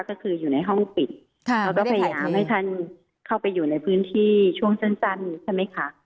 ก็คืออยู่ในห้องปิดแล้วก็พยายามให้ท่านเข้าไปอยู่ในพื้นที่ช่วงสั้นใช่ไหมคะ